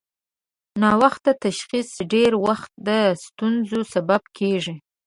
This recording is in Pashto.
ناوخته تشخیص ډېری وخت د ستونزو سبب کېږي.